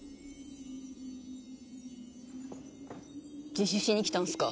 自首しに来たんすか？